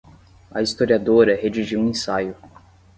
A historiadora redigiu um ensaio